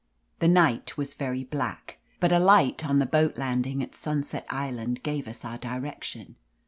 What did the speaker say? The night was very black, but a light on the boat landing at Sunset Island gave us our di rection.